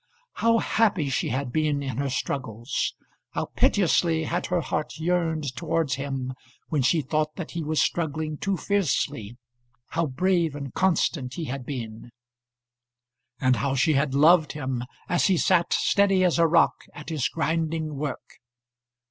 How happy she had been in her struggles, how piteously had her heart yearned towards him when she thought that he was struggling too fiercely, how brave and constant he had been; and how she had loved him as he sat steady as a rock at his grinding work!